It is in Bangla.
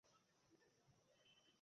আমার পরিবার আপনার কী ক্ষতি করেছে?